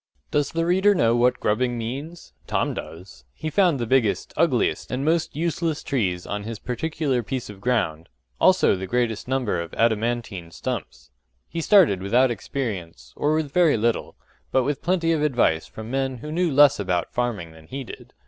Does the reader know what grubbing means? Tom does. He found the biggest, ugliest, and most useless trees on his particular piece of ground; also the greatest number of adamantine stumps. He started without experience, or with very little, but with plenty of advice from men who knew less about farming than he did.